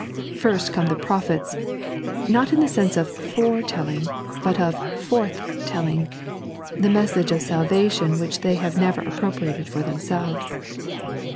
First come the prophets, not in the sense of /errs telling, but ofybrfA telling, the message of a salvation which they have never appro priated for themaelvee.